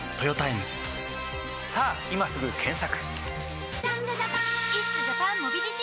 さぁ今すぐ検索！